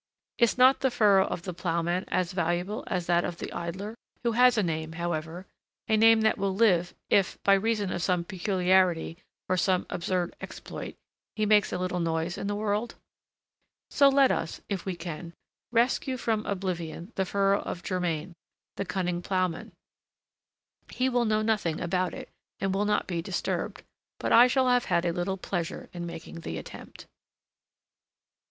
Is not the furrow of the ploughman as valuable as that of the idler, who has a name, however, a name that will live, if, by reason of some peculiarity or some absurd exploit, he makes a little noise in the world? So let us, if we can, rescue from oblivion the furrow of Germain, the cunning ploughman. He will know nothing about it, and will not be disturbed; but I shall have had a little pleasure in making the attempt.